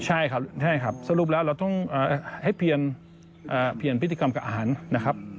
ใช่ครับสรุปแล้วต้องให้เปลี่ยนพิธิกรรมกับอาหาร